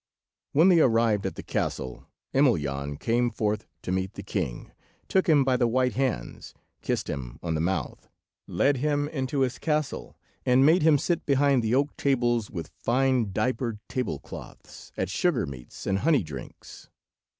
When they arrived at the castle, Emelyan came forth to meet the king, took him by the white hands, kissed him on the mouth, led him into his castle, and made him sit behind the oak tables, with fine diapered table cloths, at sugar meats and honey drinks.